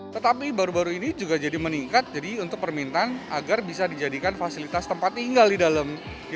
tetapi baru baru ini juga jadi meningkat jadi untuk permintaan agar bisa dijadikan fasilitas tempat tinggal di dalam